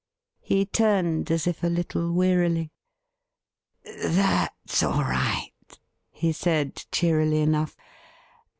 He turned as if a little wearily. 'That's all right,' he said, cheerily enough.